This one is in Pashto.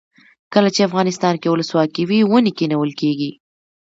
کله چې افغانستان کې ولسواکي وي ونې کینول کیږي.